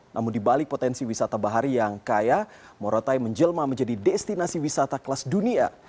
namun dibalik potensi wisata bahari yang kaya morotai menjelma menjadi destinasi wisata kelas dunia